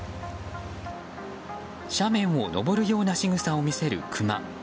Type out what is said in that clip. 斜面を登るようなしぐさを見せるクマ。